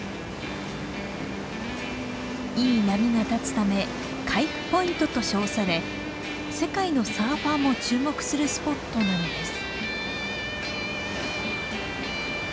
いい波が立つため「カイフポイント」と称され世界のサーファーも注目するスポットなのです。